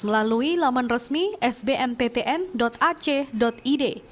melalui laman resmi sbmptn ac id